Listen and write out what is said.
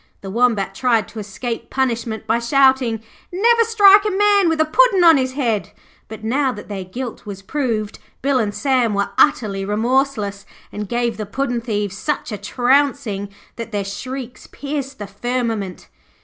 The Wombat tried to escape punishment by shouting, 'Never strike a man with a Puddin' on his head'; but, now that their guilt was proved, Bill and Sam were utterly remorseless, and gave the puddin' thieves such a trouncing that their shrieks pierced the firmament.